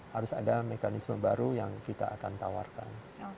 harus ada mekanisme baru yang kita akan tawarkan